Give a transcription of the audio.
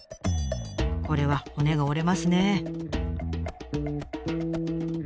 これは骨が折れますね。